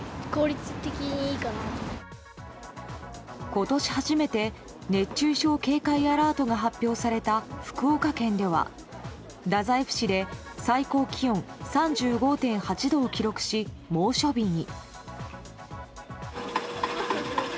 今年初めて熱中症警戒アラートが発表された福岡県では、太宰府市で最高気温３５．８度を記録し猛暑日に。